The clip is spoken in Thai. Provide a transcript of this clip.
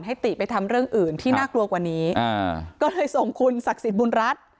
ติไปทำเรื่องอื่นที่น่ากลัวกว่านี้อ่าก็เลยส่งคุณศักดิ์สิทธิ์บุญรัฐ